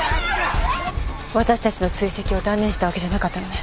私たちの追跡を断念したわけじゃなかったのね。